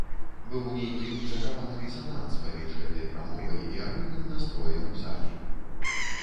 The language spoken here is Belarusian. Быў нейкі захованы дысананс паміж гэтай прамовай і агульным настроем у залі.